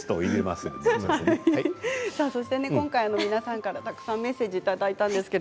今回、皆さんからたくさんメッセージをいただきました。